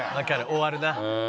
終わるな。